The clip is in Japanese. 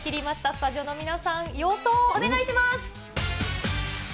スタジオの皆さん、予想をお願いします。